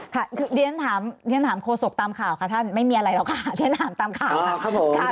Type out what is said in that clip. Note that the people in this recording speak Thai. เรียนถามโฆษกตามข่าวค่ะท่านไม่มีอะไรหรอกค่ะเรียนถามตามข่าวค่ะ